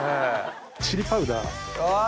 チリパウダー。